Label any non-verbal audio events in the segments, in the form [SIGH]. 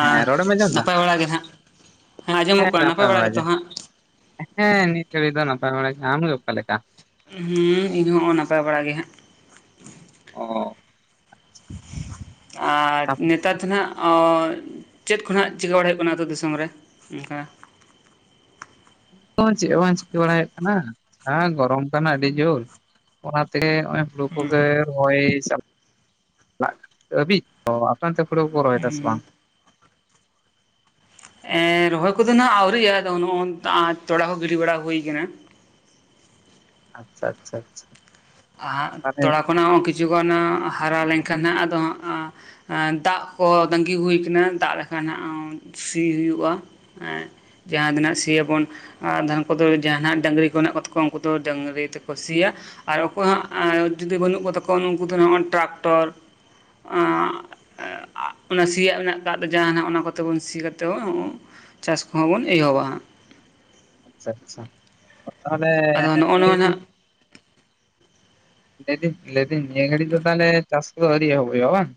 ᱦᱮᱸ ᱨᱚᱲ ᱮᱢ ᱟᱸᱡᱚᱢ ᱮᱫᱟ, ᱱᱟᱯᱟᱭ ᱵᱟᱲᱟ ᱜᱮ ᱱᱟᱦᱟᱜ ᱦᱮᱸ ᱟᱸᱡᱚᱢᱚᱜ ᱠᱟᱱᱟ ᱱᱟᱯᱟᱭ ᱵᱟᱲᱟ ᱜᱮ᱾ ᱜᱮᱛᱚ ᱦᱟᱸᱜ ᱦᱮᱸ ᱱᱤᱛ ᱦᱟᱹᱵᱤᱡ ᱫᱚ ᱱᱟᱯᱟᱭ ᱵᱟᱲᱟ ᱜᱮ, ᱟᱢᱜᱮ ᱚᱠᱟ ᱞᱮᱠᱟ? ᱩᱸ ᱦᱩᱸ ᱤᱝ ᱦᱚᱸᱜᱼᱚ ᱱᱟᱯᱟᱭ ᱵᱟᱲᱟ ᱜᱮ ᱦᱟᱸᱜ ᱚ ᱟᱨ ᱛᱟᱯᱚᱨᱮ ᱱᱮᱛᱟᱨ ᱛᱮ ᱱᱷᱟᱸᱜ ᱚᱸ ᱪᱮᱫ ᱠᱚ ᱱᱷᱟᱸᱜ ᱪᱮᱠᱟᱹ ᱵᱟᱲᱟ ᱦᱳᱭᱳᱜ ᱠᱟᱱᱟ, ᱟᱹᱛᱩ ᱫᱤᱥᱚᱢ ᱨᱮ ᱚᱸᱠᱟ [INAUDIBLE] ᱪᱮᱫ ᱦᱚᱸ ᱵᱟᱝ ᱪᱤᱠᱟᱹ ᱵᱟᱲᱟ ᱦᱳᱭᱳᱜ ᱠᱟᱱᱟ, ᱟᱨ ᱜᱚᱨᱚᱢ ᱠᱟᱱᱟ ᱟᱹᱰᱤ ᱡᱩᱨ᱾ ᱚᱱᱟ ᱛᱮ ᱦᱚᱸᱜᱼᱚᱭ ᱯᱩᱞᱳ ᱯᱩ ᱠᱚᱜᱮ ᱦᱩᱸ ᱨᱚᱦᱚᱭ, ᱪᱟᱵ [UNINTELLIGIBLE] ᱞᱟᱜ ᱠᱟᱱᱟ ᱟᱹᱵᱤᱛ [UNINTELLIGIBLE] ᱚᱱᱛᱮ ᱯᱷᱩᱲᱩ ᱠᱚᱠᱚ ᱨᱚᱦᱚᱭ ᱮᱫᱟ ᱥᱮ ᱵᱟᱝ? ᱦᱩᱸ ᱮᱸ ᱨᱚᱦᱚᱭ ᱠᱚᱫᱚ ᱱᱷᱟᱸᱜ ᱟᱹᱣᱨᱤᱭᱟᱜᱼᱟ ᱟᱫᱚ ᱱᱚᱜᱼᱚᱱ ᱟᱸ ᱛᱚᱲᱟ ᱠᱚ ᱜᱤᱰᱤ ᱵᱟᱲᱟ ᱦᱩᱭ ᱭᱟᱠᱟᱱᱟ᱾ ᱟᱪᱪᱷᱟ ᱟᱪᱪᱷᱟ ᱟᱪᱪᱷᱟ᱾ ᱦᱟᱜ, ᱛᱟᱦᱚᱞᱮ ᱛᱚᱲᱟ ᱠᱷᱚᱱᱟᱜ ᱦᱚᱸ ᱠᱤᱪᱷᱩ ᱜᱟᱱᱟᱼᱟᱸᱜ, ᱦᱟᱨᱟ ᱞᱮᱧ ᱠᱷᱟᱱ ᱟᱫᱚ ᱦᱟᱸᱜᱼᱟᱸ ᱾ ᱮᱸ ᱫᱟᱜ ᱠᱚ ᱛᱟᱸᱜᱤ ᱦᱩᱭ ᱠᱟᱱᱟ, ᱫᱟᱜ ᱞᱮᱠᱷᱟ ᱱᱟᱜᱼᱟᱸ, ᱥᱤ ᱦᱩᱭᱩᱜᱼᱟ, ᱮᱸ ᱡᱟᱦᱟᱸ ᱫᱤᱱᱟᱹᱜ ᱥᱤ ᱭᱟᱵᱚᱱ ᱟ ᱟᱫᱷᱟᱱ ᱠᱳᱫᱳ ᱡᱟᱦᱟᱸᱱᱟᱜ ᱰᱟᱺᱜᱽᱨᱤ ᱠᱚ ᱦᱮᱱᱟᱜ ᱠᱚ ᱛᱟᱠᱚᱣᱟ, ᱩᱱᱠᱩ ᱫᱚ ᱰᱟᱺᱜᱽᱨᱤ ᱛᱮᱠᱚ ᱥᱤ ᱭᱟ, ᱟᱨ ᱚᱠᱚᱭ ᱦᱟᱸᱜ ᱮᱸ ᱡᱩᱫᱤ ᱵᱟᱹᱱᱩᱜ ᱠᱚ ᱛᱟᱠᱚᱣᱟ ᱩᱱ ᱩᱱᱠᱩ ᱫᱚ ᱦᱟᱸᱜ ᱱᱚᱜᱼᱚ ᱴᱟᱨᱟᱠᱴᱚᱨ, ᱟᱸᱜ᱾ ᱮᱸᱜ ᱟᱜ ᱚᱱᱟ ᱥᱤᱭᱟᱜ ᱢᱮᱱᱟᱜ ᱟᱠᱟᱫ ᱫᱚ ᱡᱟᱦᱟᱸᱱᱟᱜ ᱚᱱᱟ ᱠᱚᱛᱮ ᱵᱚᱱ ᱥᱤ ᱠᱟᱛᱮ ᱵᱚ ᱩᱸᱻ [UNINTELLIGIBLE] ᱪᱟᱥ ᱠᱚᱦᱚᱸ ᱵᱚᱱ ᱮᱦᱚᱵᱟ᱾ ᱟᱪᱪᱷᱟ ᱟᱪᱪᱷᱟ ᱛᱟᱦᱚᱞᱮ ᱟᱫᱚ ᱱᱚᱜᱼᱚ ᱱᱚᱣᱟ ᱱᱟᱜ [UNINTELLIGIBLE] ᱞᱟᱹᱭ ᱫᱤᱧ ᱞᱟᱹᱭ ᱫᱤᱧ ᱱᱤᱭᱟᱹ ᱜᱷᱟᱹᱲᱤᱡ ᱫᱚ ᱛᱟᱦᱞᱮ ᱪᱟᱥ ᱠᱚ ᱫᱚ ᱟᱹᱣᱨᱤ ᱮᱦᱚᱵᱚᱜᱼᱟ ᱵᱟᱝ?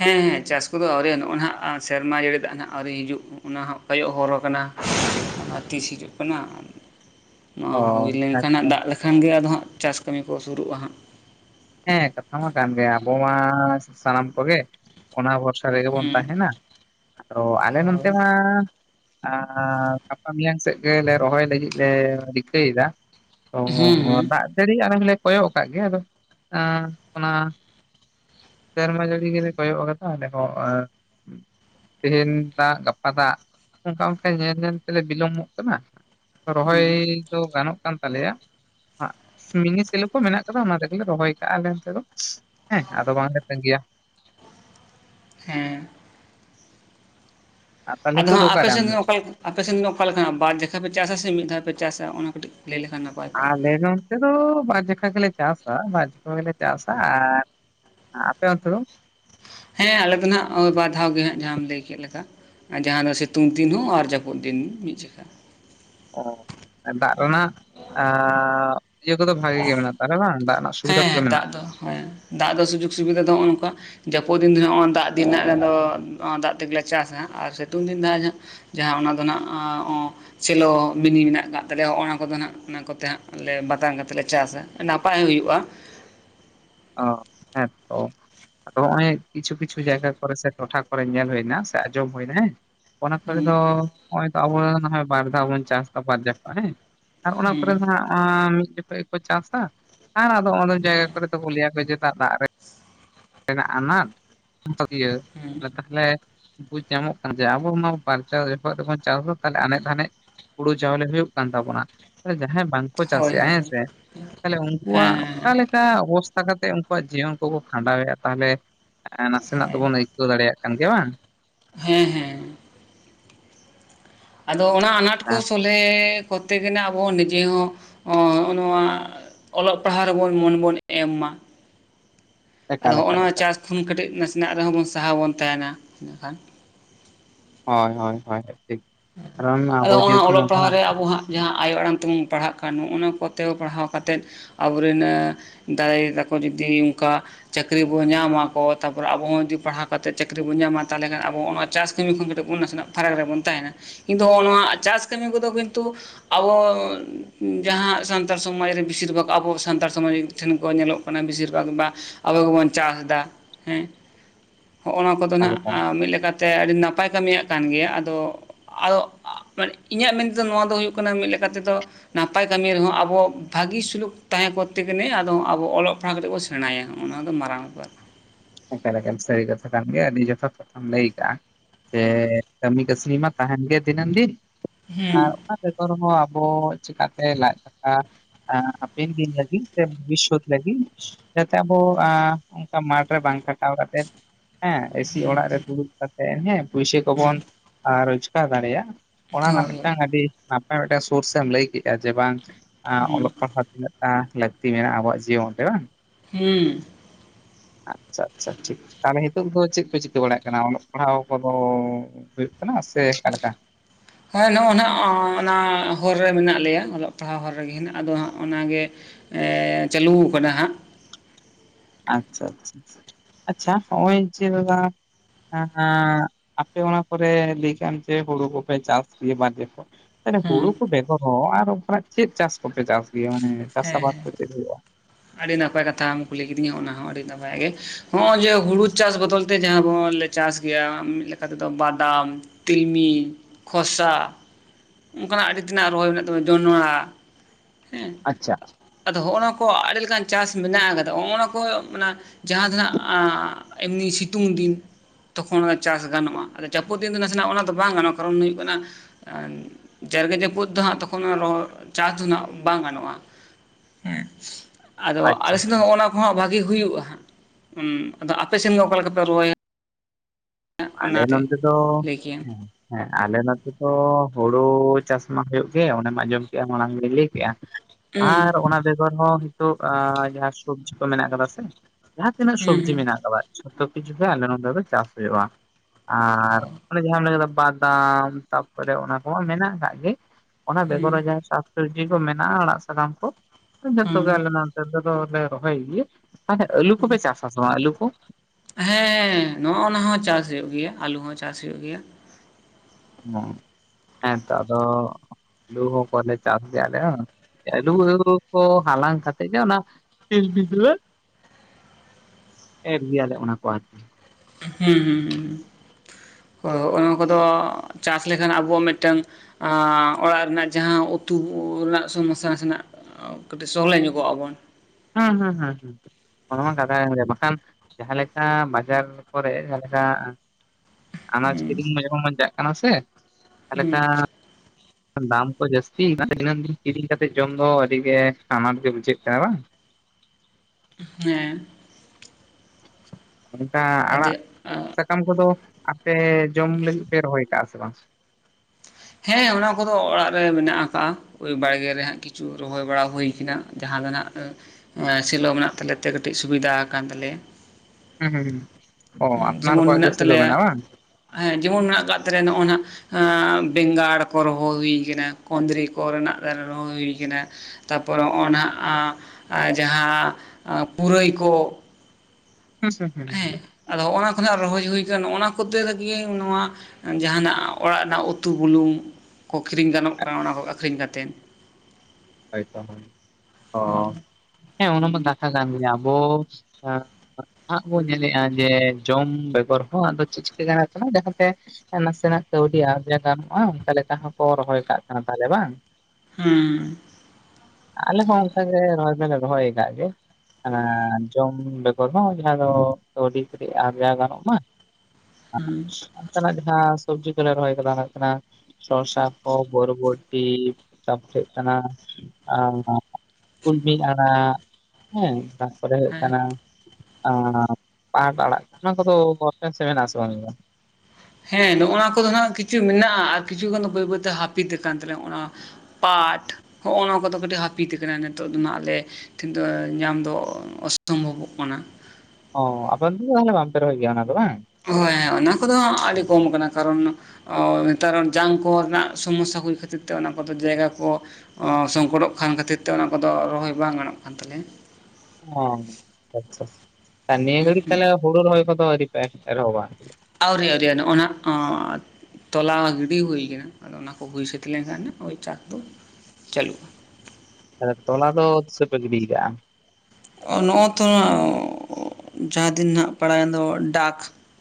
ᱦᱮᱸ ᱪᱟᱥ ᱠᱚᱫᱚ ᱟᱹᱣᱨᱤ ᱱᱚ-ᱱᱟ ᱦᱟᱸᱜ ᱥᱮᱨᱢᱟ ᱡᱟᱹᱲᱤ ᱫᱟᱜ ᱱᱟᱦᱟᱜ ᱟᱹᱣᱨᱤ ᱦᱤᱡᱩᱜ ᱚᱱᱟ ᱦᱚᱸ ᱠᱚᱭᱚᱜ ᱦᱚᱨ ᱠᱟᱱᱟ ᱚᱱᱟ ᱛᱤᱥ ᱦᱤᱡᱩᱜ ᱠᱟᱱᱟ ᱾ ᱱᱚᱣᱟ ᱚ ᱦᱩᱭ ᱞᱮᱱ ᱠᱷᱟᱱ ᱦᱟᱸᱜ ᱦᱮᱸᱛᱚ ᱫᱟᱜ ᱞᱮᱠᱷᱟᱱ ᱜᱮ ᱟᱫᱚ ᱦᱟᱸᱜ ᱪᱟᱥ ᱠᱟᱹᱢᱤ ᱠᱚ ᱥᱩᱨᱩᱜᱼᱟ ᱦᱟᱸᱜ ᱾ ᱦᱮᱸ ᱠᱟᱛᱷᱟ ᱢᱟ ᱠᱟᱱ ᱜᱮᱭᱟ ᱟᱵᱚ ᱢᱟ ᱥᱟᱱᱟᱢ ᱠᱚ ᱜᱮ ᱚᱱᱟ ᱵᱷᱚᱨᱥᱟ ᱨᱮᱜᱮ ᱵᱚᱱ ᱦᱩᱸ ᱛᱟᱦᱮᱱᱟ ᱟᱫᱚ ᱟᱞᱮ ᱱᱚᱱ ᱦᱳᱭ ᱛᱮ ᱢᱟ ᱟᱨ ᱜᱟᱯᱟ ᱢᱮᱭᱟᱝ ᱥᱮᱫ ᱜᱮ ᱞᱮ ᱨᱚᱦᱚᱭ ᱞᱟᱹᱜᱤᱫ ᱞᱮ ᱨᱤᱠᱟᱹᱭ ᱫᱟ, ᱚ ᱦᱩᱸ ᱦᱩᱸ ᱫᱟᱜ ᱡᱟᱹᱲᱤ ᱟᱞᱮ ᱦᱚᱸ ᱞᱮ ᱠᱚᱭᱚᱜ ᱟᱠᱟᱫ ᱜᱮᱭᱟ ᱟᱫᱚ ᱮ ᱚᱱᱟ ᱥᱮᱨᱢᱟ ᱡᱟᱹᱲᱤ ᱜᱮᱞᱮ ᱠᱚᱭᱚᱜ ᱟᱠᱟᱫᱟ ᱟᱞᱮ ᱦᱚᱸ, ᱛᱮᱦᱮᱧ ᱫᱟᱜ ᱜᱟᱯᱟ ᱫᱟᱜ ᱚᱱᱠᱟ ᱚᱱᱠᱟ ᱧᱮᱞ ᱧᱮᱞ ᱛᱮᱞᱮ ᱵᱤᱞᱚᱢ ᱢᱚᱜ ᱠᱟᱱᱟ ᱾ ᱦᱩᱸ ᱨᱚᱦᱚᱭ ᱫᱚ ᱜᱟᱱᱚᱜ ᱠᱟᱱ ᱛᱟᱞᱮᱭᱟ ᱦᱟᱸᱜ ᱢᱤᱱᱤ ᱥᱮᱞᱳ ᱠᱚ ᱢᱮᱱᱟᱜ ᱠᱟᱫᱟ ᱾ ᱨᱚᱦᱚᱭ ᱠᱟᱜᱼᱟ ᱟᱞᱮ ᱚᱱᱛᱮ ᱫᱚ ᱦᱮᱸ ᱟᱫᱚ ᱵᱟᱝ ᱞᱮ ᱛᱟᱸᱜᱤ ᱭᱟ ᱿ ᱦᱮᱸ ᱟᱨ ᱛᱟᱦᱚᱞᱮ ᱟᱫᱚ ᱱᱤᱛᱚᱜ ᱦᱟᱸᱜ ᱟᱯᱮ ᱚᱠᱟᱨᱮ ᱟᱢ ᱥᱮᱫ ᱫᱚ ᱚᱠᱟ ᱞᱮᱠᱟ? ᱟᱯᱮ ᱥᱮᱱ ᱫᱚ ᱚᱠᱟ ᱞᱮᱠᱟ ᱱᱟᱜ ᱵᱟᱨ ᱡᱟᱠᱷᱷᱟᱡ ᱯᱮ ᱪᱟᱥ ᱟᱥᱮ ᱢᱤᱫ ᱫᱷᱟᱣ ᱯᱮ ᱪᱟᱥᱼᱟ ᱚᱱᱟ ᱠᱟᱹᱴᱤᱡ ᱞᱟᱹᱭ ᱞᱮᱠᱷᱟᱱ ᱱᱟᱯᱟᱭ [INAUDIBLE] ᱠᱚᱜᱼᱟ ᱟᱞᱮ ᱫᱚ ᱵᱟᱨ ᱡᱚᱠᱷᱟ ᱜᱮᱞᱮ ᱪᱟᱥᱼᱟ ᱵᱟᱨ ᱡᱚᱠᱷᱟ ᱜᱮᱞᱮ ᱪᱟᱥᱼᱟ, ᱟᱨ ᱟᱯᱮ ᱚᱱᱛᱮ ᱫᱚ? ᱦᱮᱸ ᱟᱞᱮ ᱫᱚ ᱱᱟᱦᱟᱜ ᱵᱟᱨ ᱫᱷᱟᱣ ᱜᱮ ᱦᱟᱸᱜ ᱡᱟᱦᱟᱸᱢ ᱞᱟᱹᱭ ᱠᱮᱫ ᱞᱮᱠᱟ ᱾ ᱡᱟᱦᱟᱸ ᱫᱚ ᱥᱤᱛᱩᱝ ᱫᱤᱱ ᱦᱚᱸ ᱟᱨ ᱡᱟᱹᱯᱩᱫ ᱫᱤᱱ ᱢᱤᱫ ᱡᱮᱠᱷᱟ ᱾ ᱚ ᱫᱟᱜ ᱨᱮᱱᱟᱜ ᱟᱸ ᱻ ᱤᱭᱟᱹ ᱠᱚᱫᱚ ᱵᱷᱟᱹᱜᱤ ᱜᱮ ᱢᱮᱱᱟᱜᱼᱟ ᱛᱟᱦᱚᱞᱮ ᱵᱟᱝ ᱫᱟᱜ ᱨᱮᱱᱟᱜ ᱥᱩᱵᱤᱫᱷᱟ ᱦᱮᱸ ᱠᱚᱫᱚ ᱦᱮᱸ ᱢᱮᱱᱟᱜᱼᱟ ᱫᱟᱜ ᱾ ᱦᱮᱸ ᱫᱟᱜ ᱫᱚ ᱥᱩᱡᱳᱜᱽ ᱥᱩᱵᱤᱫᱷᱟ ᱫᱚ ᱱᱚᱜᱼᱚ ᱱᱚᱝᱠᱟ ᱾ ᱡᱟᱹᱯᱩᱫ ᱫᱤᱱ ᱫᱚ ᱱᱚᱜᱚᱭ ᱫᱟᱜ ᱫᱤᱱ ᱱᱟᱜ ᱫᱚ ᱫᱟᱜ ᱛᱮᱜᱮᱞᱮ ᱪᱟᱥᱟ ᱟᱨ ᱥᱤᱛᱩᱝ ᱫᱤᱱ ᱡᱟᱦᱟᱸ ᱚᱱᱟ ᱫᱚ ᱱᱟᱸᱜ ᱟᱸ ᱚᱸ ᱥᱮᱞᱚ ᱢᱤᱱᱤ ᱢᱮᱱᱟᱜ ᱠᱟᱜ ᱛᱟᱞᱮᱭᱟᱜ ᱚᱱᱟ ᱠᱚᱫᱚ ᱦᱟᱸᱜ ᱚᱱᱟ ᱠᱚᱛᱮ ᱦᱟᱸᱜ, ᱟᱞᱮ ᱵᱟᱛᱟᱱ ᱠᱟᱛᱮ ᱞᱮ ᱪᱟᱥᱟ ᱱᱟᱯᱟᱭ ᱦᱩᱭᱩᱼᱟ ᱾ ᱚ ᱦᱮᱸ ᱛᱚ᱾ ᱟᱫᱚ ᱱᱚᱜ-ᱚᱭ ᱠᱤᱪᱷᱩ ᱼ ᱠᱤᱪᱷᱩ ᱡᱟᱭᱜᱟ ᱠᱚᱨᱮ ᱥᱮ ᱴᱚᱴᱷᱟ ᱠᱚᱨᱮ ᱧᱮᱞ ᱦᱩᱭᱱᱟ ᱥᱮ ᱟᱸᱡᱚᱢ ᱦᱩᱭᱱᱟ ᱦᱮᱸ᱾ ᱚᱱᱟ ᱠᱚᱨᱮ ᱫᱚ ᱦᱩᱸ ᱚᱸᱭ ᱛᱚ ᱟᱵᱚ ᱵᱟᱨ ᱫᱷᱟᱣ ᱵᱚᱱ ᱪᱟᱥᱟ ᱵᱟᱨ ᱡᱟᱯᱟᱜ ᱦᱮᱸ ᱾ ᱟᱨ ᱚᱱᱟ ᱠᱚᱨᱮ ᱦᱩᱸ ᱫᱚ ᱦᱟᱸᱜ ᱢᱤᱫ ᱡᱚᱠᱷᱚᱡ ᱜᱮᱠᱚ ᱪᱟᱥᱟ ᱟᱨ ᱟᱫᱚ ᱚᱱᱟᱫᱚ ᱡᱟᱭᱜᱟ ᱠᱚᱨᱮ ᱯᱩᱞᱭᱟ ᱠᱚ ᱡᱮ ᱫᱟᱜ ᱨᱮᱱᱟ ᱟᱱᱟᱴ ᱤᱭᱟᱹ ᱦᱩᱸ ᱛᱟᱦᱚᱞᱮ ᱵᱩᱡᱽ ᱧᱟᱢᱚᱜ ᱠᱟᱱ ᱡᱮ ᱟᱵᱚ ᱱᱚᱣᱟ ᱯᱟᱨᱪᱟᱣ ᱫᱟ ᱡᱚᱛᱚ ᱛᱮᱵᱚᱱ ᱪᱟᱥᱫᱟ ᱛᱟᱦᱚᱞᱮ ᱟᱱᱮᱡ ᱫᱷᱟᱱᱯᱡ ᱾ ᱦᱩᱲᱩ ᱪᱟᱣᱞᱮ ᱦᱩᱭᱩᱜ ᱠᱟᱱ ᱛᱟᱵᱚᱱᱟ ᱚᱱᱮ ᱡᱟᱦᱟᱭ ᱵᱟᱝᱠᱚ ᱦᱳᱭ ᱪᱟᱥᱮᱫᱼᱟ ᱦᱳᱭ ᱦᱮᱸᱥᱮ ᱛᱟᱦᱚᱞᱮ ᱦᱮᱸ ᱩᱱᱠᱩᱣᱟᱜ ᱦᱮᱸ ᱚᱠᱟᱞᱮ ᱚᱱᱠᱟ ᱚᱵᱚᱥᱛᱟ ᱠᱟᱛᱮᱜ ᱩᱱᱠᱩᱣᱟᱜ ᱡᱤᱭᱚᱱ ᱠᱚᱠᱚ ᱠᱷᱟᱸᱰᱟᱣᱮᱫᱼᱟ ᱛᱟᱦᱚᱞᱮ ᱱᱟᱥᱮᱱᱟᱜ ᱫᱚᱵᱚᱱ ᱟᱹᱭᱠᱟᱹᱣ ᱫᱟᱲᱮᱭᱟᱜ ᱠᱟᱱ ᱜᱮᱭᱟ ᱵᱟᱝ ᱾ ᱦᱮᱸ ᱦᱮᱸ ᱟᱫᱚ ᱚᱱᱟ ᱟᱱᱟᱴ ᱠᱚ ᱥᱚᱞᱦᱮ ᱠᱚᱛᱮ ᱜᱮ ᱟᱵᱚ ᱦᱚᱸ ᱱᱤᱡᱮ ᱦᱚᱸ ᱱᱚᱚᱣᱟ ᱚᱞᱚᱜ ᱯᱟᱲᱦᱟᱣ ᱨᱮᱵᱚᱱ ᱢᱚᱱ ᱵᱚᱱ ᱮᱢ ᱢᱟ ᱾ ᱟᱫᱚ ᱮᱠᱟᱞ ᱦᱚᱸᱜᱼ ᱮᱠᱟᱞ ᱱᱚᱣᱟ ᱮᱠᱟᱞ ᱪᱟᱥ ᱠᱷᱚᱱ ᱠᱟᱹᱴᱤᱡ ᱱᱟᱥᱮ ᱱᱟᱜ ᱨᱮᱦᱚᱸ ᱵᱚᱱ ᱥᱟᱦᱟ ᱵᱚᱱ ᱛᱟᱦᱮᱱᱟ ᱤᱱᱟᱹᱠᱷᱟᱱ ᱾ ᱦᱚᱭ ᱦᱚᱭ ᱦᱚᱭ ᱴᱷᱤᱠ ᱾ ᱟᱫᱚ ᱦᱚ-ᱱᱟ ᱚᱞᱚᱜ ᱯᱟᱲᱦᱟᱣ ᱨᱮ ᱟᱵᱚ ᱦᱟᱸᱜ ᱡᱟᱦᱟᱸ ᱟᱭᱳ ᱟᱲᱟᱝ ᱛᱮᱵᱚᱱ ᱯᱟᱲᱦᱟᱜ ᱠᱟᱱ ᱱᱚᱜᱼᱱᱟ ᱠᱚᱛᱮ ᱯᱟᱲᱦᱟᱣ ᱠᱟᱛᱮᱫ ᱟᱵᱚᱨᱮᱱ ᱫᱟᱲᱮᱭ ᱫᱟᱠᱚ ᱡᱩᱫᱤ ᱚᱱᱠᱟ ᱪᱟᱹᱠᱨᱤ ᱵᱚ ᱧᱟᱢᱟ ᱠᱚ ᱛᱟᱨᱯᱚᱨᱮ ᱟᱵᱚ ᱦᱚᱸ ᱡᱩᱫᱤ ᱯᱟᱲᱦᱟᱣ ᱠᱟᱛᱮᱫ ᱪᱟᱹᱠᱨᱤ ᱵᱚᱱ ᱧᱟᱢᱟ ᱛᱟᱦᱚᱞᱮ ᱠᱷᱟᱱ ᱟᱵᱚ ᱚᱱᱟ ᱪᱟᱥ ᱠᱟᱹᱢᱤ ᱠᱷᱚᱱ ᱠᱟᱹᱴᱤᱡ ᱵᱚᱱ ᱱᱟᱥᱮᱱᱟᱜ ᱯᱷᱟᱨᱟᱠ ᱨᱮᱵᱚᱱ ᱛᱟᱦᱮᱱᱟ, ᱠᱤᱱᱛᱩᱜ ᱦᱚᱸᱜ-ᱚ ᱱᱚᱣᱟ ᱪᱟᱥ ᱠᱟᱹᱢᱤ ᱠᱚᱫᱚ ᱠᱤᱱᱛᱩ ᱟᱵᱚᱻᱱ ᱡᱟᱦᱟᱸ ᱥᱟᱱᱛᱟᱲ ᱥᱚᱢᱟᱡᱽ ᱨᱮ ᱵᱮᱥᱤᱨ ᱵᱷᱟᱜᱽ ᱟᱵᱚ ᱥᱟᱱᱛᱟᱲ ᱥᱚᱢᱟᱡᱽ ᱨᱤᱱ ᱴᱷᱮᱱ ᱠᱚ ᱧᱮᱞᱚᱜ ᱠᱟᱱᱟ ᱵᱮᱥᱤᱨ ᱵᱷᱟᱜᱽ ᱵᱟ ᱟᱵᱚ ᱜᱮᱵᱚᱱ ᱪᱟᱥ ᱮᱫᱟ ᱦᱮᱸ᱾ ᱦᱚᱜᱼᱚ ᱱᱚᱣᱟ ᱠᱚᱫᱚ ᱮᱠᱟᱞ ᱱᱟᱦᱟᱸᱜ ᱢᱤᱫ ᱞᱮᱠᱟᱛᱮ ᱟᱹᱰᱤ ᱱᱟᱯᱟᱭ ᱠᱟᱹᱢᱤᱭᱟᱜ ᱠᱟᱱ ᱜᱮᱭᱟ ᱟᱫᱚ ᱟᱫᱚ ᱟ ᱢᱟᱱᱮ ᱤᱧᱟᱹᱜ ᱢᱮᱱᱛᱮᱫᱚ ᱱᱚᱣᱟ ᱫᱚ ᱦᱩᱭᱩᱜ ᱠᱟᱱᱟ ᱢᱤᱫ ᱞᱮᱠᱟ ᱛᱮᱫᱚ ᱱᱟᱯᱟᱭ ᱠᱟᱹᱢᱤ ᱨᱮᱦᱚᱸ ᱟᱵᱚ ᱵᱷᱟᱹᱜᱤ ᱥᱩᱞᱩᱠ ᱛᱟᱦᱮᱸ ᱠᱚᱨᱛᱮ ᱜᱮᱞᱮ ᱟᱫᱚ ᱟᱵᱚ ᱚᱞᱚᱜ ᱯᱟᱲᱦᱟᱜ ᱠᱟᱛᱮ ᱵᱚ ᱥᱮᱬᱟᱸᱭᱟ ᱚᱱᱟ ᱫᱚ ᱢᱟᱨᱟᱝ ᱵᱨᱯᱟᱨ᱾ ᱮᱠᱟᱞ ᱮᱠᱟᱞ ᱥᱟᱹᱨᱤ ᱠᱟᱛᱷᱟ ᱠᱟᱱ ᱜᱮᱭᱟ ᱟᱹᱰᱤ ᱡᱚᱛᱷᱟᱛ ᱠᱟᱛᱷᱟᱢ ᱞᱟᱹᱭ ᱠᱟᱜ-ᱟ᱾ ᱥᱮ ᱠᱟᱹᱢᱤ ᱠᱟᱹᱥᱱᱤ ᱢᱟ ᱛᱟᱦᱮᱱ ᱜᱮ ᱫᱤᱱᱟᱹᱢ ᱫᱤᱱ ᱟᱨ ᱦᱩᱸ ᱚᱱᱟᱛᱮ ᱛᱚ ᱨᱮᱦᱚᱸ ᱟᱵᱚ ᱪᱮᱠᱟᱜᱛᱮ ᱞᱟᱡ ᱫᱟᱠᱟ ᱦᱟᱯᱮᱱ ᱫᱤᱱ ᱞᱟᱹᱜᱤᱫ ᱥᱮ ᱵᱷᱚᱵᱤᱥᱚᱛ ᱞᱟᱹᱜᱤᱫ [INAUDIBLE] ᱛᱮ ᱟᱵᱚ ᱟᱸ ᱚᱱᱠᱟ ᱢᱟᱴᱷ ᱨᱮ ᱵᱟᱝ ᱠᱷᱟᱴᱟᱣ ᱠᱟᱛᱮᱫ ᱦᱮᱸ ᱮᱥᱤ ᱚᱲᱟᱜ ᱨᱮ ᱫᱩᱲᱩᱵ ᱠᱟᱛᱮᱜ ᱦᱮᱸ ᱯᱩᱭᱥᱟᱹ ᱦᱩᱸ ᱠᱚᱵᱚᱱ ᱟ ᱨᱛᱡᱽᱜᱟᱨ ᱫᱟᱲᱮᱭᱟ, ᱚᱱᱟ ᱨᱮᱱᱟᱜ ᱦᱳᱭ ᱢᱤᱫᱴᱟᱹᱝ ᱟᱹᱰᱤ ᱱᱟᱯ ᱚᱱᱟ ᱢᱤᱫᱴᱟᱝ ᱥᱳᱨᱥ ᱮᱢ ᱞᱟᱹᱭ ᱠᱮᱜᱼᱟ ᱡᱮ ᱵᱟᱝ ᱟ ᱦᱳᱭ ᱚᱞᱚᱜ ᱯᱟᱲᱦᱟᱣ ᱛᱤᱱᱟᱹᱜ ᱟ ᱞᱟᱹᱠᱛᱤ ᱢᱮᱱᱟᱜᱼᱟ ᱟᱵᱚᱣᱟᱜ ᱡᱤᱭᱚᱱ ᱨᱮ ᱵᱟᱝ᱾ ᱦᱩᱸ᱾ ᱟᱪᱪᱷᱟ ᱟᱪᱪᱷᱟ ᱴᱷᱤᱠ ᱛᱟᱦᱞᱮ ᱦᱤᱛᱚᱜ ᱫᱚ ᱪᱮᱫ ᱯᱮ ᱪᱤᱠᱟᱹ ᱵᱟᱲᱟᱭᱮᱜ ᱠᱟᱱᱟ ᱚᱞᱚᱜ ᱯᱟᱲᱦᱟᱣ ᱠᱚᱫᱚ ᱦᱩᱭᱩᱜ ᱠᱟᱱᱟ ᱥᱮ ᱚᱠᱟᱞᱮᱠᱟ? ᱦᱳᱭ ᱱᱚᱜᱼᱚᱱᱟᱦᱜ ᱚᱱᱟ ᱦᱚᱨ ᱨᱮ ᱢᱮᱱᱟᱜ ᱞᱮᱭᱟ, ᱚᱞᱚᱜ ᱯᱟᱲᱦᱟᱣ ᱦᱚᱨ ᱨᱮᱜᱮ ᱦᱮᱱᱟᱜ ᱟᱫᱚ ᱦᱟᱸᱜ ᱚᱱᱟᱜᱮ ᱦᱮᱸ ᱪᱟᱹᱞᱩᱣ ᱠᱟᱱᱟ ᱦᱟᱸᱜ᱾ ᱟᱪᱪᱷᱟ ᱟᱪᱪᱷᱟ, ᱟᱪᱪᱷᱟ ᱦᱚᱸᱜ-ᱚᱭ ᱪᱮᱫ ᱦᱚᱸ ᱵᱟᱝ ᱟᱸ ᱦᱟᱸᱜ ᱟᱯᱮ ᱚᱱᱟ ᱠᱚᱨᱮ ᱞᱤᱠᱟᱱ ᱪᱮ ᱦᱩᱲᱩ ᱠᱚᱯᱮ ᱪᱟᱥ ᱤᱭᱟᱹ ᱵᱟᱨᱡᱮ ᱠᱚ᱾ ᱛᱟᱦᱚᱞᱮ ᱦᱮᱸ ᱦᱩᱲᱩ ᱠᱚ ᱵᱮᱜᱚᱨ ᱦᱚᱸ ᱟᱨ ᱚᱱᱠᱟᱱᱟᱜ ᱪᱮᱫ ᱪᱟᱥ ᱠᱚᱯᱮ ᱪᱟᱥ ᱜᱮᱭᱟ ᱢᱟᱱᱮ ᱪᱟᱥ ᱦᱮᱸ ᱟᱵᱟᱫ ᱦᱮᱸ᱾ ᱠᱚ ᱪᱮᱫ ᱦᱩᱭᱩᱜᱼᱟ? ᱟᱹᱰᱤ ᱱᱟᱯᱟᱭ ᱠᱟᱛᱷᱟᱢ ᱠᱩᱞᱤ ᱠᱤᱫᱤᱧᱟ ᱚᱱᱟ ᱦᱚᱸ ᱟᱹᱰᱤ ᱱᱟᱯᱟᱭ ᱜᱮ᱾ ᱦᱚᱸᱜᱼᱚᱭ ᱡᱮ ᱦᱩᱲᱩ ᱪᱟᱥ ᱵᱚᱫᱚᱞ ᱛᱮ ᱡᱟᱦᱟᱸ ᱵᱚᱱ ᱞᱮ ᱪᱟᱥ ᱜᱮᱭᱟ ᱢᱤᱫ ᱞᱮᱠᱟ ᱛᱮ ᱫᱚ ᱵᱟᱫᱟᱢ᱾ ᱛᱤᱞᱢᱤᱧ, ᱠᱷᱚᱥᱟ᱾ ᱚᱱᱠᱟᱱᱟᱜ ᱟᱹᱰᱤ ᱛᱮᱱᱟᱜ ᱨᱚᱦᱚᱭ ᱢᱮᱱᱟᱜ ᱛᱟᱢᱟ ᱡᱚᱱᱚᱲᱟ ᱦᱮᱸ᱾ ᱟᱪᱪᱷᱟ᱾ ᱟᱫᱚ ᱦᱚᱸᱜᱼᱚ ᱱᱚᱣᱟ ᱠᱚ ᱟᱹᱰᱤ ᱞᱮᱠᱟᱱ ᱪᱟᱥ ᱢᱮᱱᱟᱜ ᱟᱠᱟᱫᱟ᱾ ᱦᱚᱸᱜᱼᱚ ᱱᱟ ᱠᱚ ᱢᱟᱱᱟ ᱡᱟᱦᱟᱸ ᱛᱤᱱᱟᱜ ᱟᱸ ᱮᱢᱱᱤ ᱥᱤᱛᱩᱝ ᱫᱤᱱ᱾ ᱛᱚᱠᱷᱚᱱ ᱱᱚᱣᱟ ᱪᱟᱥ ᱜᱟᱱᱚᱜᱼᱟ᱾ ᱟᱫᱚ ᱪᱟᱯᱩᱫ ᱫᱤᱱ ᱫᱚ ᱱᱟᱥᱮᱱᱟᱜ ᱚᱱᱟ ᱫᱚ ᱵᱟᱝ ᱜᱟᱱᱚᱜᱼᱟ ᱠᱟᱨᱚᱱ ᱦᱩᱭᱩᱜ ᱠᱟᱱᱟ ᱟᱸᱱ ᱡᱟᱨᱜᱮ ᱡᱟᱹᱯᱩᱫ ᱫᱚ ᱦᱟᱸᱜ ᱛᱚᱠᱷᱚᱱᱚ ᱨᱚᱦᱚ ᱪᱟᱥ ᱫᱚ ᱱᱟᱦᱟᱜ ᱵᱟᱝ ᱜᱟᱱᱚᱜᱼᱟ᱾ ᱦᱮᱸ ᱟᱫᱚ ᱟᱪᱪᱷᱟ ᱟᱞᱮ ᱥᱮᱫ ᱫᱚ ᱦᱚᱸᱜᱼᱚᱱᱟ ᱦᱚᱸᱣᱟᱜ ᱵᱷᱟᱜᱤ ᱦᱩᱭᱩᱜᱼᱟ ᱦᱟᱸᱜ᱾ ᱟᱫᱚ ᱟᱯᱮ ᱥᱮᱱ ᱜᱮ ᱚᱠᱟ ᱞᱮᱠᱟ ᱯᱮ ᱨᱚᱦᱚᱭᱟ? ᱟᱞᱮ ᱚᱱᱟᱛᱮ ᱱᱚᱱᱛᱮ ᱫᱚ ᱞᱟᱹᱭ ᱠᱮᱭᱟ ᱦᱮᱸ᱾ ᱦᱮᱸ ᱟᱞᱮ ᱱᱚᱛᱮ ᱫᱚ ᱦᱳᱲᱳ ᱪᱟᱥ ᱢᱟ ᱦᱩᱭᱩᱜ ᱜᱮ ᱚᱱᱮᱢ ᱟᱸᱡᱚᱢ ᱠᱮᱫᱼᱟ ᱢᱟᱲᱟᱝ ᱞᱤᱧ ᱞᱟᱹᱭ ᱠᱮᱜᱼᱟ᱾ ᱦᱩᱸ ᱟᱨ ᱚᱱᱟ ᱵᱮᱜᱚᱨ ᱦᱚᱸ ᱦᱤᱛᱚᱜ ᱟᱸ ᱡᱟᱦᱟᱸ ᱥᱚᱵᱽᱡᱤ ᱠᱚ ᱢᱮᱱᱟᱜ ᱟᱠᱟᱫᱟ ᱥᱮ᱾ ᱡᱟᱦᱟᱸ ᱛᱤᱱᱟᱹᱜ ᱦᱩᱸ ᱥᱚᱵᱡᱤ ᱦᱩᱸ ᱢᱮᱱᱟᱜ ᱟᱠᱟᱫᱟ ᱡᱷᱚᱛᱚ ᱠᱤᱪᱷᱩ ᱜᱮ ᱟᱞᱮ ᱱᱚᱰᱮ ᱫᱚ ᱪᱟᱥ ᱦᱩᱭᱩᱜᱼᱟ᱾ ᱟᱨ ᱚ ᱚᱱᱮ ᱡᱟᱦᱟᱸᱢ ᱞᱟᱹᱭ ᱠᱟᱫᱟ ᱵᱟᱫᱟᱢ ᱛᱟᱯᱟᱨᱮ ᱚᱱᱟ ᱠᱚ ᱢᱟ ᱢᱮᱱᱟᱜ ᱟᱠᱟᱜ ᱜᱮ᱾ ᱚᱱᱟ ᱵᱮᱜᱚᱨ ᱨᱮ ᱦᱩᱸ ᱡᱟᱦᱟᱸ ᱥᱟᱠ ᱥᱚᱵᱽᱡᱤ ᱠᱚ ᱢᱮᱱᱟᱜᱼᱟ, ᱟᱲᱟᱜ ᱥᱟᱠᱟᱢ ᱠᱚ, ᱛᱚ ᱡᱚᱛᱚ ᱜᱮ ᱦᱩᱸ ᱟᱞᱮ ᱱᱚ ᱛᱮ ᱫᱚᱞᱚ ᱞᱮ ᱨᱚᱦᱚᱭ ᱜᱤᱭᱟ᱾ ᱟᱹᱞᱩ ᱠᱚᱯᱮ ᱪᱟᱥ ᱟᱥᱮ ᱵᱟᱝ ᱟᱹᱞᱩ ᱠᱚ? ᱦᱮᱸᱻ ᱱᱚᱜᱼᱚᱱᱟ ᱦᱚᱸ ᱪᱟᱥ ᱦᱩᱭᱩᱜ ᱜᱮᱭᱟ᱾ ᱟᱞᱩ ᱦᱚᱸ ᱪᱟᱥ ᱦᱩᱭᱩᱜ ᱜᱮᱭᱟ᱾ ᱢᱚᱸ᱾ ᱦᱮᱸ ᱛᱚ ᱟᱫᱚ ᱟᱹᱞᱩ ᱦᱚᱸ ᱠᱚᱞᱮ ᱪᱟᱥ ᱜᱮᱭᱟ ᱟᱞᱮ ᱦᱚᱸ ᱟᱹᱞᱩ [UNINTELLIGIBLE] ᱠᱚ ᱦᱟᱞᱟᱝ ᱠᱟᱛᱮᱫ ᱜᱮ ᱚᱱᱟ ᱛᱤᱞ ᱵᱤᱫᱩᱭᱟᱹ ᱮᱨ ᱜᱮᱭᱟ ᱞᱮ ᱚᱱᱟ ᱠᱚ ᱟᱨᱠᱤ᱾ ᱦᱩᱸ ᱦᱩᱸ ᱦᱩᱸ ᱚ ᱚᱱᱟ ᱠᱚᱫᱚ ᱪᱟᱥ ᱞᱮᱠᱷᱟᱱ ᱟᱵᱚ ᱢᱤᱫ ᱴᱟᱝᱼᱼ ᱟᱸᱻ ᱚᱲᱟᱜ ᱨᱮᱱᱟᱜ ᱡᱟᱦᱟᱸ ᱩᱛᱩ ᱠᱩ ᱨᱮᱱᱟᱜ ᱥᱚᱢᱚᱥᱥᱟ ᱱᱟᱥᱮᱱᱟᱜ ᱚᱸ ᱠᱟᱹᱴᱤᱡ ᱥᱚᱦᱞᱮ ᱧᱚᱜᱚᱜ ᱟᱵᱚᱱ ᱦᱮᱸᱼᱦᱮᱸᱼᱦᱮᱸᱼᱦᱮᱸ ᱚᱱᱟ ᱢᱟ ᱠᱟᱛᱷᱟ ᱠᱟᱱ ᱜᱮᱭᱟ ᱵᱟᱠᱷᱟᱱ ᱡᱟᱦᱟᱸ ᱞᱮᱠᱟ ᱵᱟᱡᱟᱨ ᱠᱚᱨᱮ ᱡᱟᱦᱟᱸ ᱞᱮᱠᱟᱼᱼ ᱟᱱᱟᱪ ᱦᱩᱸ ᱠᱤᱨᱤᱧ ᱡᱚᱠᱷᱚᱱ ᱵᱚᱱ ᱪᱟᱞᱟᱜ ᱠᱟᱱᱟ ᱥᱮ ᱠᱟᱱᱟ ᱥᱮ ᱛᱟᱦᱞᱮ ᱦᱩᱸ ᱠᱷᱟᱱ ᱫᱟᱢ ᱠᱚ ᱡᱟᱹᱥᱛᱤ ᱜᱟᱱ ᱫᱤᱱᱟᱹᱢ ᱫᱤᱱ ᱠᱤᱨᱤᱧ ᱠᱟᱛᱮᱜ ᱡᱚᱢ ᱫᱚ ᱟᱹᱰᱤ ᱜᱮ ᱟᱱᱟᱴ ᱜᱮ ᱵᱩᱡᱷᱟᱹᱜ ᱠᱟᱱᱟ ᱵᱟᱝᱼᱼ ᱦᱮᱸᱼᱼ ᱚᱱᱠᱟ ᱟᱫᱚ ᱟᱲᱟᱜ ᱥᱟᱠᱟᱢ ᱠᱚᱫᱚ ᱟᱯᱮ ᱡᱚᱢ ᱞᱟᱹᱜᱤᱫ ᱯᱮ ᱨᱚᱦᱚᱭ ᱠᱟᱜᱼᱟ ᱥᱮ ᱵᱟᱝ ᱦᱮᱸ ᱚᱱᱟ ᱠᱚᱫᱚ ᱚᱲᱟᱜ ᱨᱮ ᱢᱮᱱᱟᱜ ᱟᱠᱟᱜᱼᱟ ᱳᱭ ᱵᱟᱲᱜᱮ ᱨᱮ ᱦᱟᱸᱜ ᱠᱤᱼᱼ ᱠᱤᱪᱷᱩ ᱨᱚᱦᱚᱭ ᱵᱟᱲᱟ ᱦᱩᱭ ᱠᱟᱱᱟ ᱡᱟᱦᱟᱸ ᱫᱚᱱᱟᱜᱼᱼ ᱮᱸ ᱥᱮᱞᱚ ᱢᱮᱱᱟᱜ ᱛᱟᱞᱮᱭᱟ ᱛᱮ ᱠᱟᱹᱴᱤᱡ ᱥᱩᱵᱤᱫᱷᱟ ᱟᱠᱟᱱ ᱛᱟᱞᱮᱭᱟ ᱦᱩᱸᱼᱦᱩᱸᱼᱦᱩᱸ ᱚᱸ ᱟᱯᱱᱟᱨ ᱡᱮᱢᱚᱱ ᱠᱚᱣᱟᱜ ᱜᱮ ᱢᱮᱱᱟᱜ ᱥᱮᱞᱚ ᱛᱟᱞᱮᱭᱟ ᱢᱮᱱᱟᱜᱼᱟ ᱵᱟᱝ ᱦᱮᱸ ᱡᱮᱢᱚᱱ [UNINTELLIGIBLE] ᱦᱟᱜ ᱟᱸᱼᱼ ᱵᱮᱸᱜᱟᱲ ᱠᱚ ᱨᱚᱦᱚᱭ ᱦᱩᱭ ᱠᱟᱱᱟ ᱠᱩᱸᱫᱽᱨᱤ ᱠᱚ ᱨᱮᱱᱟᱜ ᱫᱟᱨᱮ ᱨᱚᱦᱚᱭ ᱦᱩᱭ ᱠᱟᱱᱟ ᱛᱟ ᱯᱚᱨᱮᱜᱼᱚ ᱱᱚᱜ ᱟᱸ ᱡᱟᱦᱟᱸ ᱟᱸ ᱯᱩᱨᱟᱹᱭ ᱠᱚ ᱦᱩᱸ ᱦᱩᱸ ᱦᱩᱸ ᱦᱮᱸ ᱟᱫᱚ ᱦᱚᱸᱜᱼᱚ ᱱᱟ ᱠᱷᱚᱱᱟᱜ ᱨᱚᱦᱚᱭ ᱦᱩᱭ ᱟᱠᱟᱱ ᱱᱚᱜᱼᱚ ᱱᱟ ᱠᱚᱛᱮ ᱜᱤᱭᱮ ᱱᱚᱣᱟ ᱡᱟᱦᱟᱱᱟᱜ ᱚᱲᱟᱜ ᱨᱮᱱᱟᱜ ᱩᱛᱩ ᱵᱩᱞᱩᱝ ᱠᱚ ᱠᱤᱨᱤᱧ ᱜᱟᱱᱚᱜ ᱠᱟᱱᱟ ᱚᱱᱟ ᱠᱚ ᱟᱹᱠᱷᱨᱤᱧ ᱠᱟᱛᱮᱫ ᱦᱚᱭ ᱛᱚ ᱦᱩᱸ ᱦᱮᱸ ᱚᱱᱟᱢᱟ ᱠᱟᱛᱷᱟ ᱠᱟᱱ ᱜᱮᱭᱟ ᱟᱵᱚ ᱮᱸᱼᱼ ᱦᱟᱸᱜ ᱵᱚᱱ ᱧᱮᱞᱮᱜᱼᱟ ᱡᱮ ᱡᱚᱢ ᱵᱮᱜᱚᱨ ᱦᱚᱸ ᱟᱫᱚ ᱪᱮᱫ ᱪᱤᱠᱟᱹ ᱠᱟᱱᱟ ᱡᱟᱦᱟᱸ ᱛᱮᱼᱼ ᱱᱟᱥᱮ ᱱᱟᱜ ᱠᱟᱹᱣᱰᱤ ᱟᱨᱡᱟᱣ ᱜᱟᱱᱚᱜᱼᱟ ᱚᱱᱠᱟ ᱞᱮᱠᱟ ᱦᱚᱸᱠᱚ ᱨᱚᱦᱚᱭ ᱠᱟᱜ ᱠᱟᱱᱟ ᱛᱟᱦᱞᱮ ᱵᱟᱝ ᱦᱩᱸᱼᱼ ᱟᱞᱮ ᱦᱚᱸ ᱚᱱᱠᱟ ᱜᱮ ᱨᱚᱦᱚᱭ ᱫᱚᱞᱮ ᱨᱚᱦᱚᱭ ᱟᱠᱟᱜ ᱜᱮᱼᱼ ᱚᱱᱟ ᱡᱚᱢ ᱵᱮᱜᱚᱨ ᱦᱚᱸ ᱡᱟᱦᱟᱸ ᱫᱚᱻ ᱠᱟᱹᱣᱰᱤ ᱠᱟᱹᱴᱤᱡᱽ ᱟᱨᱡᱟᱣ ᱜᱟᱱᱚᱜ ᱢᱟ ᱦᱩᱸ ᱚᱱᱠᱟᱱᱟᱜ ᱡᱟᱦᱟᱸ ᱥᱚᱵᱡᱤ ᱠᱚᱞᱮ ᱨᱚᱦᱚᱭ ᱠᱟᱫᱟ ᱚᱱᱟ‌ ᱠᱟᱱᱟ ᱥᱚᱥᱟ ᱠᱚ ᱵᱚᱨᱵᱳᱴᱤ ᱛᱟᱯᱚᱨᱮᱼᱼ ᱠᱟᱱᱟ ᱟ ᱠᱩᱞᱢᱤ ᱟᱲᱟᱜ ᱦᱮᱸᱼᱼ ᱛᱟᱨᱯᱚᱨᱮ ᱦᱩᱭᱩᱜ ᱦᱮᱸ ᱠᱟᱱᱟ ᱟᱸ ᱯᱟᱴ ᱟᱲᱟᱜ ᱚᱱᱟ ᱠᱚᱫᱚ ᱟᱯᱮ ᱥᱮᱫ ᱢᱮᱱᱟᱜᱼᱟ ᱟᱥᱮ ᱵᱟᱝ ᱜᱮ ᱦᱮᱸ ᱱᱚᱜᱼᱚ ᱱᱟ ᱠᱚᱫᱚ ᱱᱟᱦᱟᱜ ᱠᱤᱪᱷᱩ ᱢᱮᱱᱟᱜᱼᱟ ᱟᱨ ᱠᱤᱪᱷᱩ ᱜᱟᱱ ᱫᱚ ᱵᱟᱹᱭ ᱵᱟᱹᱭᱛᱮ ᱦᱟᱹᱯᱤᱛ ᱠᱟᱱ ᱛᱟᱞᱮᱭᱟ ᱦᱚᱸᱜ-ᱚ ᱱᱚᱣᱟ ᱯᱟᱴ ᱦᱚᱸᱜᱼᱚ ᱱᱚᱣᱟ ᱠᱚᱫᱚ ᱠᱟᱹᱴᱤᱡ ᱦᱟᱹᱯᱤᱛ ᱠᱟᱱᱟ ᱱᱤᱛᱚᱜ ᱫᱚ ᱱᱟᱦᱟᱜ ᱞᱮ [UNINTELLIGIBLE] ᱧᱟᱢ ᱫᱚ ᱚᱥᱛᱚᱢᱵᱷᱚᱵᱚᱜ ᱠᱟᱱᱟ ᱚ ᱟᱯᱮ ᱚᱱᱛᱮ ᱫᱚ ᱛᱟᱦᱞᱮ ᱵᱟᱝ ᱯᱮ ᱨᱚᱦᱚᱭ ᱜᱮᱭᱟ ᱚᱱᱟ ᱫᱚ ᱵᱟᱝ ᱦᱳᱭ ᱚᱱᱟ ᱠᱚᱫᱚ ᱟᱹᱰᱤ ᱠᱚᱢ ᱠᱟᱱᱟ ᱠᱟᱨᱚᱱᱼᱼ ᱚ ᱱᱮᱛᱟᱨ ᱡᱟᱝ ᱠᱚ ᱨᱮᱱᱟᱜ ᱥᱚᱢᱚᱥᱥᱟ ᱦᱩᱭ ᱠᱷᱟᱹᱛᱤᱨ ᱛᱮ ᱚᱱᱟ ᱠᱚᱫᱚ ᱡᱟᱭᱜᱟ ᱠᱚ ᱚ ᱥᱚᱝᱠᱚᱴᱚᱜ ᱠᱟᱱ ᱠᱷᱟᱹᱛᱤᱨ ᱛᱮ ᱚᱱᱟ ᱠᱚᱫᱚ ᱨᱚᱦᱚᱭ ᱵᱟᱝ ᱜᱟᱱᱚᱜ ᱠᱟᱱ ᱛᱟᱞᱮᱭᱟ ᱚ ᱟᱪᱪᱷᱟ ᱟᱪᱪᱷᱟ ᱱᱤᱭᱟᱹ ᱜᱷᱟᱹᱲᱤᱡ ᱛᱟᱦᱚᱞᱮ ᱦᱩᱲᱩ ᱨᱚᱦᱚᱭ ᱠᱚᱫᱚ ᱟᱹᱣᱨᱤ ᱯᱮ ᱮᱦᱚᱵᱟ ᱟᱹᱣᱨᱤ ᱟᱹᱣᱨᱤ ᱱᱚᱜᱼᱚ ᱱᱟᱜ ᱛᱚᱞᱟ ᱜᱤᱰᱤ ᱦᱩᱭ ᱠᱟᱱᱟ ᱚᱱᱟ ᱠᱚ ᱦᱩᱭ ᱥᱟᱹᱛ ᱞᱮᱱ ᱠᱷᱟᱱ ᱳᱭ ᱪᱟᱥ ᱫᱚ ᱪᱟᱹᱞᱩᱜᱼᱟ ᱛᱟᱞᱦᱮ ᱛᱚᱞᱟ ᱫᱚ ᱛᱤᱥᱚ ᱯᱮ ᱜᱤᱰᱤ ᱠᱟᱜᱼᱟ ᱱᱚᱜᱼᱚ ᱛᱚ ᱡᱟᱦᱟᱸ ᱫᱤᱱ ᱱᱟᱦᱟᱜ ᱯᱟᱲᱟᱭᱮᱱ ᱫᱚ ᱰᱟᱠ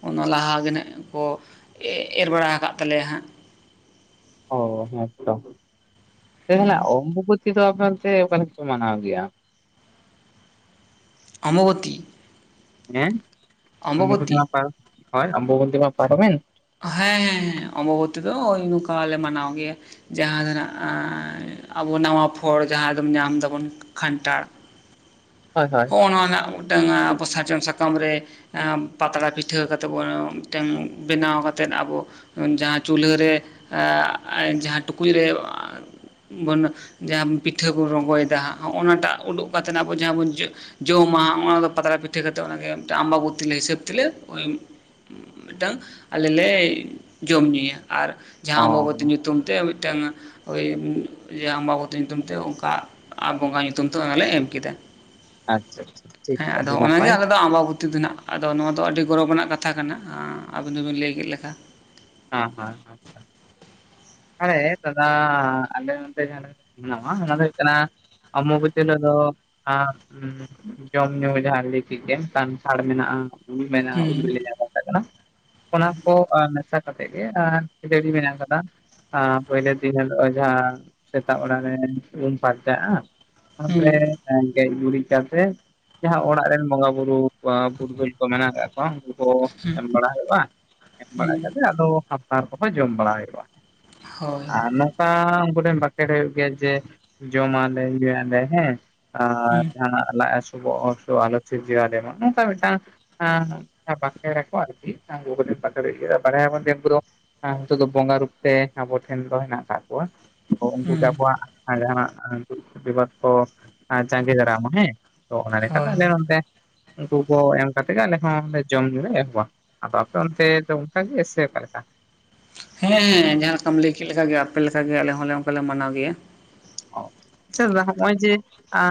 ᱚᱱᱟ ᱞᱟᱦᱟ ᱜᱮ ᱱᱟᱦᱟᱜ ᱠᱚ ᱮ ᱮᱨ ᱵᱟᱲᱟ ᱟᱠᱟᱫ ᱛᱟᱞᱮᱭᱟ ᱦᱟᱸᱜ ᱚ ᱦᱮᱸ ᱛᱚ ᱛᱮᱦᱮᱧᱟᱜ ᱚᱢᱵᱚᱵᱚᱛᱤ ᱫᱚ ᱟᱯᱮ ᱚᱱᱛᱮ ᱚᱠᱟ ᱞᱮᱠᱟ ᱯᱮ ᱢᱟᱱᱟᱣ ᱜᱮᱭᱟ ᱚᱢᱵᱚᱵᱚᱛᱤ ᱦᱮᱸ ᱚᱢᱵᱚᱵᱚᱛᱤ ᱢᱟ ᱯᱟ ᱦᱳᱭ ᱚᱢᱵᱚᱵᱚᱛᱤ ᱢᱟ ᱯᱟᱨᱚᱢᱮᱱ᱾ ᱦᱮᱸ ᱚᱢᱵᱚᱵᱚᱛᱤ ᱫᱚ ᱳᱭ ᱱᱚᱝᱠᱟ ᱞᱮ ᱢᱟᱱᱟᱣ ᱜᱮᱭᱟ᱾ ᱡᱟᱦᱟᱸ ᱫᱚ ᱱᱟᱸᱜ ᱟᱵᱚ ᱱᱟᱣᱟ ᱯᱷᱚᱲ ᱡᱟᱦᱟᱸ ᱫᱚᱢ ᱧᱟᱢ ᱫᱟᱵᱚᱱ ᱠᱷᱟᱱᱴᱟᱱ, ᱦᱳᱭ ᱦᱳᱭ ᱦᱚᱸᱜ-ᱚ ᱱᱚᱣᱟ ᱱᱟᱜ ᱢᱤᱫᱴᱟᱝ ᱟᱵᱚ ᱥᱟᱨᱡᱚᱢ ᱥᱟ ᱠᱟᱢ ᱨᱮ ᱯᱟᱛᱲᱟ ᱯᱤᱴᱷᱟᱹ ᱠᱟᱛᱮᱜ ᱵᱚᱱ ᱢᱤᱫᱴᱮᱝ ᱵᱮᱱᱟᱣ ᱠᱟ ᱛᱮᱫ ᱟᱵᱚ ᱡᱟᱦᱟᱸ ᱪᱩᱞᱦᱟᱹ ᱨᱮ ᱡᱟᱦᱟᱸ ᱴᱩᱠᱩᱡ ᱨᱮ ᱵᱚᱱ ᱡᱟᱦᱟᱸ ᱯᱤᱴᱷᱟᱹ ᱵᱚᱱ ᱨᱚᱸᱜᱚᱭᱮᱫᱟ ᱦᱟᱸᱜ ᱦᱚᱜ-ᱚ ᱱᱟ ᱴᱟᱜ ᱩᱰᱩᱜ ᱠᱟᱛᱮ ᱱᱟᱜ ᱵᱚᱱ ᱡᱟᱦᱟᱸ ᱵᱚᱱ ᱡᱚᱢᱟ ᱚᱱᱟ ᱫᱚ ᱯᱟᱛᱲᱟ ᱯᱤᱴᱷᱟᱹ ᱠᱟᱛᱮᱫ ᱚᱱᱟᱜᱮ ᱢᱤᱫᱴᱟᱝ ᱟᱢᱵᱟᱵᱚᱛᱤ ᱞᱮ ᱦᱤᱥᱟᱹᱵ ᱛᱮᱞᱮ ᱢᱤᱫᱴᱟᱝ ᱟᱞᱮ ᱞᱮ ᱡᱚᱢ ᱧᱩᱭᱟ ᱟᱨ ᱚ ᱡᱟᱦᱟᱸ ᱚᱢᱵᱚᱵᱚᱛᱤ ᱧᱩᱛᱩᱢ ᱛᱮ ᱢᱤᱫᱴᱟᱝ ᱳᱭ ᱡᱮ ᱚᱢᱵᱚᱵᱚᱛᱤ ᱧᱩᱛᱩᱢ ᱛᱮ ᱚᱱᱠᱟ ᱟᱨ ᱵᱚᱸᱜᱟ ᱧᱩᱛᱩᱢ ᱛᱮ ᱦᱚᱸᱜ-ᱚᱭ ᱞᱮ ᱮᱢ ᱠᱮᱫᱟ᱾ ᱟᱪᱪᱷᱟ ᱟᱪᱪᱷᱟ [INAUDIBLE] ᱴᱷᱤᱠ ᱦᱮᱸ ᱟᱫᱚ ᱟᱹᱰᱤ ᱚᱱᱟᱜᱮ ᱱᱟᱯᱟᱭ ᱟᱞᱮ ᱫᱚ ᱚᱢᱵᱚᱵᱚ ᱛᱤ ᱫᱚ ᱱᱟᱜ ᱟᱫᱚ ᱱᱚᱣᱟ ᱫᱚ ᱟᱹᱰᱤ ᱜᱚᱨᱚᱵᱽ ᱨᱮᱱᱟᱜ ᱠᱟᱛᱷᱟ ᱠᱟᱱᱟ ᱟᱵᱤᱱ ᱦᱚᱸ ᱵᱤᱱ ᱞᱟᱹᱭ ᱠᱮᱫ ᱞᱮᱠᱟ᱾ ᱦᱮᱸ ᱦᱮᱸ ᱦᱮᱸ ᱛᱟᱞᱦᱮ ᱫᱟᱫᱟ ᱟᱞᱮ ᱱᱚᱱᱛᱮ ᱡᱟᱦᱟᱸ ᱞᱮᱠᱟᱞᱮ ᱢᱟᱱᱟᱣᱟ ᱚᱱᱟᱫᱚ ᱦᱩᱭᱩᱜ ᱠᱟᱱᱟ ᱚᱢᱵᱚᱵᱚᱛᱤ ᱦᱤᱞᱳᱜ ᱫᱚ ᱡᱚᱢ ᱧᱩ ᱡᱟᱦᱟᱸᱧ ᱞᱮᱭ ᱠᱮᱫ ᱜᱮᱢ ᱠᱟᱱᱴᱷᱟᱲ ᱢᱮᱱᱟᱜᱼᱟ ᱩᱞ ᱢᱮᱱᱟᱜᱼᱟ ᱩᱞ ᱦᱩᱸ ᱵᱮᱞᱮ ᱡᱟᱦᱟᱸᱫᱚ ᱠᱟᱱᱟ ᱚᱱᱟ ᱠᱚ ᱢᱮᱥᱟ ᱠᱟᱛᱮᱜ ᱜᱮ ᱮᱸ ᱠᱷᱟᱹᱡᱟᱹᱲᱤ ᱢᱮᱱᱟᱜ ᱠᱟᱫᱟ ᱯᱳᱭᱞᱳ ᱫᱤᱱ ᱦᱤᱞᱳ ᱡᱟᱦᱟᱸ ᱥᱮᱛᱟᱜ ᱵᱮᱲᱟ ᱞᱮ ᱩᱢ ᱯᱷᱟᱨᱪᱟᱜᱼᱟ ᱦᱩᱸ ᱛᱟᱯᱚᱨᱮ ᱜᱮᱡ ᱜᱩᱨᱤᱡ ᱠᱟᱛᱮ ᱡᱟᱦᱟᱸ ᱚᱲᱟᱜ ᱨᱮᱱ ᱵᱚᱸᱜᱟ ᱵᱩᱨᱩ ᱯᱩᱨᱩᱫᱷᱩᱞ ᱠᱚ ᱢᱮᱱᱟᱜ ᱟᱠᱟᱫ ᱠᱚᱣᱟ ᱩᱱᱠᱩ ᱠᱚ ᱦᱩᱸ ᱮᱢ ᱵᱟᱲᱟ ᱦᱩᱭᱩᱜᱼᱟ ᱮᱢ ᱵᱟᱲᱟ ᱦᱩᱸ ᱠᱟᱛᱮ ᱟᱫᱚ ᱟᱯᱱᱟᱨ ᱠᱚᱦᱚᱸ ᱡᱚᱢ ᱵᱟᱲᱟ ᱦᱩᱭᱩᱜᱼᱟ᱾ ᱦᱳᱭ ᱟᱨ ᱱᱚᱝᱠᱟ ᱩᱱᱠᱩ ᱴᱷᱮᱱ ᱵᱟᱠᱷᱮᱲ ᱦᱩᱭᱩᱜ ᱜᱮᱭᱟ ᱡᱮ ᱡᱚᱢᱟᱞᱮ ᱧᱩᱭᱟᱞᱮ ᱦᱮᱸ ᱟᱨ ᱦᱩᱸ ᱡᱟᱦᱟᱸᱱᱟᱜ ᱞᱟᱡ ᱦᱟᱹᱥᱩ ᱵᱚᱦᱚᱜ ᱦᱟᱹᱥᱩ ᱟᱞᱚ ᱥᱤᱨᱡᱟᱹᱣᱟᱞᱮ ᱢᱟ ᱱᱚᱝᱠᱟ ᱢᱤᱫᱴᱟᱝ ᱦᱮᱸ ᱵᱟᱠᱷᱮᱲ ᱟᱠᱚ ᱟᱨ ᱠᱤ [UNINTELLIGIBLE] ᱵᱟᱲᱟᱭ ᱟᱵᱚᱱ ᱡᱮ ᱩᱱᱠᱩ ᱫᱚ ᱱᱤᱛᱚᱜ ᱫᱚ ᱵᱚᱸᱜᱟ ᱨᱩᱯ ᱛᱮ ᱟᱵᱚ ᱴᱷᱮᱱ ᱫᱚ ᱦᱮᱱᱟᱜ ᱟᱠᱟᱫ ᱠᱚᱣᱟ ᱩᱱᱠᱩ ᱦᱩᱸ ᱜᱮ ᱟᱵᱚᱣᱟᱜ ᱟᱨ ᱡᱟᱦᱟᱸᱱᱟᱜ ᱫᱩᱠᱷ ᱵᱤᱯᱚᱫ ᱠᱚ ᱡᱟᱸᱜᱮ ᱫᱟᱨᱟᱢᱟ ᱦᱮᱸ ᱛᱚ ᱚᱱᱟ ᱞᱮᱠᱟᱞᱮ ᱦᱳᱭ ᱟᱞᱮ ᱱᱚᱱᱛᱮ ᱩᱱᱠᱩ ᱠᱚ ᱮᱢ ᱠᱟᱛᱮ ᱜᱮ ᱟᱞᱮ ᱦᱚᱸ ᱡᱚᱢ ᱧᱩ ᱞᱮ ᱮᱦᱚᱵᱟ᱾ ᱟᱫᱚ ᱟᱯᱮ ᱚᱱᱛᱮ ᱫᱚ ᱚᱱᱠᱟᱜᱮ ᱥᱮ ᱚᱠᱟᱞᱮᱠᱟ? ᱦᱮᱸ ᱡᱟᱦᱟᱸ ᱞᱮᱠᱟᱢ ᱞᱟᱹᱭ ᱠᱮᱫ ᱞᱮᱠᱟᱜᱮ ᱟᱯᱮ ᱞᱮᱠᱟᱜᱮ ᱟᱞᱮ ᱦᱚᱸᱞᱮ ᱚᱱᱠᱟ ᱞᱮ ᱢᱟᱱᱟᱣ ᱜᱮᱭᱟ᱾ ᱟᱪᱪᱷᱟ, ᱫᱟᱫᱟ ᱦᱚᱸᱜᱼᱚᱭ ᱡᱮ ᱟᱻ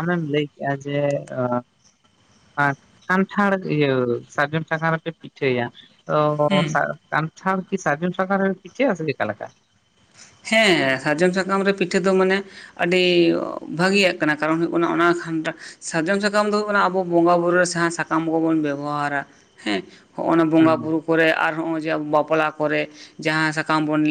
ᱟᱢᱮᱢ ᱞᱟᱹᱭ ᱠᱮᱜ-ᱟ ᱡᱮ ᱟᱨ ᱠᱟᱱᱴᱷᱟᱲ ᱤᱭᱟᱹ ᱥᱟᱨᱡᱚᱢ ᱥᱟᱠᱟᱢ ᱨᱮᱯᱮ ᱯᱤᱴᱷᱟᱹᱭᱟ ᱛᱚ ᱦᱩᱸ ᱠᱟᱱᱴᱷᱟᱲ ᱠᱤ ᱥᱟᱨᱡᱚᱢ ᱥᱟᱠᱟᱢ ᱨᱮᱯᱮ ᱯᱤᱴᱷᱟᱹᱭᱟ ᱥᱮ ᱪᱤᱠᱟᱹ ᱞᱮᱠᱟ? ᱦᱮᱸ ᱥᱟᱨᱡᱚᱢ ᱥᱟᱠᱟᱢ ᱨᱮ ᱯᱤᱴᱷᱟᱹ ᱫᱚ ᱢᱟᱱᱮ ᱟᱹᱰᱤ ᱵᱷᱟᱹᱜᱤᱭᱟᱜ ᱠᱟᱱᱟ ᱠᱟᱨᱚᱱ ᱦᱩᱭᱩᱜ ᱠᱟᱱᱟ ᱚᱱᱟ ᱠᱷᱟᱱ ᱥᱟᱨᱡᱚᱢ ᱥᱟᱠᱟᱢ ᱫᱚ ᱦᱩᱭᱩᱜ ᱠᱟᱱᱟ ᱟᱵᱚ ᱵᱚᱸᱜᱟᱼᱵᱩᱨᱩ ᱨᱮ ᱡᱟᱦᱟᱸ ᱥᱟᱠᱟᱢ ᱠᱚᱵᱚᱱ ᱵᱮᱵᱚᱦᱟᱨᱟ ᱦᱮᱸ᱾ ᱦᱚᱜᱼ ᱱᱟ ᱦᱩᱸ ᱵᱚᱸᱜᱟ ᱵᱩᱨᱩ ᱠᱚᱨᱮ ᱟᱨ ᱦᱚᱸᱜᱚᱭ ᱡᱮ ᱟᱵᱚ ᱵᱟᱯᱞᱟ ᱠᱚᱨᱮ ᱡᱟᱦᱟᱸ ᱥᱟᱠᱟᱢ ᱵᱚᱱ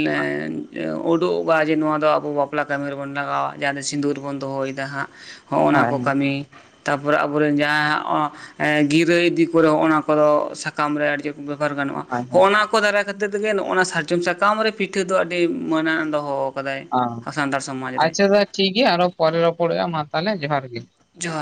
ᱩᱰᱩᱠᱚᱜᱼᱟ ᱡᱮ ᱱᱚᱣᱟ ᱫᱚ ᱟᱵᱚ ᱵᱟᱯᱞᱟ ᱠᱟᱹᱢᱤ ᱨᱮᱵᱚᱱ ᱞᱟᱜᱟᱣᱟ ᱡᱟᱦᱟᱸ ᱫᱚ ᱥᱤᱸᱫᱩᱨ ᱵᱚᱱ ᱫᱚᱦᱚᱭᱮᱫᱟ ᱦᱟᱸᱜ᱾ ᱦᱚᱜᱼ ᱚᱱᱟ ᱦᱳᱭ ᱦᱳᱭ ᱠᱚ ᱠᱟᱹᱢᱤ᱾ ᱛᱟᱨᱯᱚᱨᱮ ᱟᱵᱚᱨᱮᱱ ᱡᱟᱦᱟᱸᱭ ᱦᱟᱸᱜ ᱜᱤᱨᱟᱹ ᱤᱫᱤ ᱠᱚᱨᱮ ᱦᱚᱸᱜᱼ ᱚᱱᱟ ᱠᱚᱫᱚ ᱥᱟᱠᱟᱢ ᱨᱮ ᱟᱹᱰᱤ ᱪᱮᱫ ᱵᱮᱵᱚᱦᱟᱨ ᱜᱟᱱᱚᱜᱼᱟ ᱦᱳᱭ ᱦᱳᱭ ᱦᱚᱜᱼᱚᱭ ᱱᱟ ᱠᱚ ᱫᱟᱨᱟᱭ ᱠᱷᱟᱹᱛᱤᱨ ᱛᱮᱜ ᱱᱚᱜᱼᱱᱟ ᱥᱟᱨᱡᱚᱢ ᱥᱟᱠᱟᱢ ᱨᱮ ᱯᱤᱴᱷᱟᱹ ᱫᱚ ᱟᱹᱰᱤ ᱟᱹᱰᱤ ᱢᱟᱹᱱᱟᱜ ᱫᱚᱦᱚ ᱟᱠᱟᱫᱟᱭ ᱚ ᱥᱟᱱᱛᱟᱲ ᱥᱚᱢᱟᱡᱽ ᱨᱮ ᱟᱪᱪᱷᱟ ᱫᱟ ᱴᱷᱤᱠ ᱜᱮᱭᱟ ᱟᱨᱚ ᱯᱚᱨᱮ ᱨᱚᱯᱚᱲᱚᱜᱼᱟ ᱢᱟ ᱛᱟᱦᱚᱞᱮ ᱡᱚᱦᱟᱨ ᱜᱮ᱾ ᱡᱚᱦᱟᱨ᱾